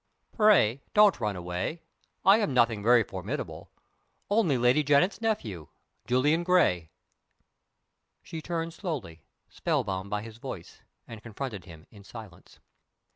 "Pray don't run away! I am nothing very formidable. Only Lady Janet's nephew Julian Gray." She turned slowly, spell bound by his voice, and confronted him in silence.